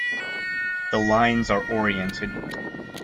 The lines are oriented.